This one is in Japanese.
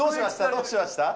どうしました？